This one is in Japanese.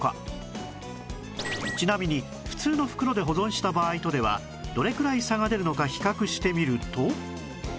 ちなみに普通の袋で保存した場合とではどれくらい差が出るのか比較してみると